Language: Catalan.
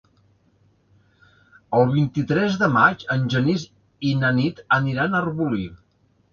El vint-i-tres de maig en Genís i na Nit aniran a Arbolí.